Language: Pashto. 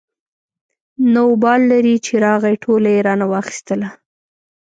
نه وبال لري چې راغی ټوله يې رانه واخېستله.